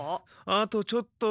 あとちょっと。